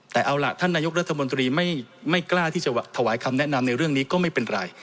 แต่เอาล่ะท่านนายกรัฐมนตรีไม่กล้าที่จะถวายคำแนะนำในเรื่องนี้ก็ไม่เป็นไร